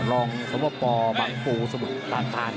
รองสวบปอล์บังปูสมุทรประทาน